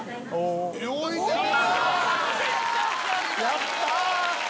やった！